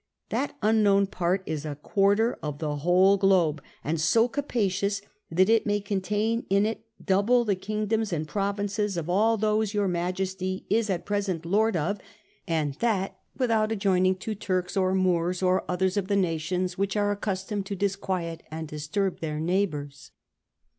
That unknown part is a quarter of the whole globe, and so capacious that it may contain in it double the kingdoms and provinces of all those your Majesty is at present lord of, and that without adjoin ing to Turks or Moors or others of the nations which are accustomed to disquiet and disturb their neighbours."